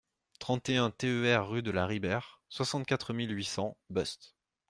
trente et un TER rue de la Ribère, soixante-quatre mille huit cents Beuste